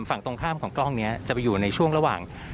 ฝั่งตรงข้ามของกล้องนี้จะไปอยู่ในช่วงระหว่าง